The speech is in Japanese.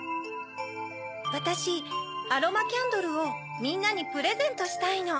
わたしアロマキャンドルをみんなにプレゼントしたいの。